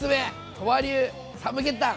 鳥羽流サムゲタン。